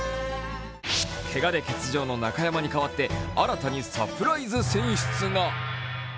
けがで欠場の中山にかわって新たにサプライズ選出が。